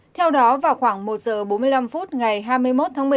theo đó vào khoảng một giờ bốn mươi năm phút ngày hai mươi một tháng một mươi hai